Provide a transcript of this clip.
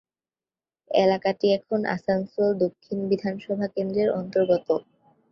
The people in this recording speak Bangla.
এলাকাটি এখন আসানসোল দক্ষিণ বিধানসভা কেন্দ্রর অন্তর্গত।